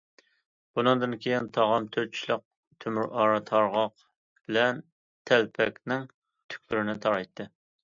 ئۇنىڭدىن كېيىن تاغام تۆت چىشلىق تۆمۈر ئارا، تارغاق بىلەن تەلپەكنىڭ تۈكلىرىنى تارايتتى.